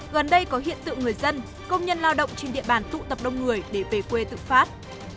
gần đây có hiện tượng người dân công nhân lao động trên địa bàn tụ tập đông người để về quê tự phát